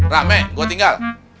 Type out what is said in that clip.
rahmi gue tinggal